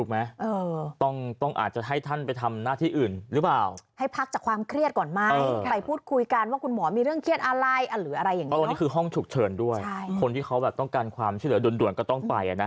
มันมีกันได้ทุกคน